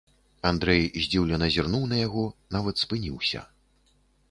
Андрэй здзіўлена зірнуў на яго, нават спыніўся.